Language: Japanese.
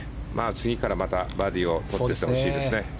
次からまたバーディーをとっていってほしいですね。